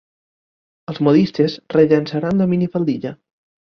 Els modistes rellançaran la minifaldilla.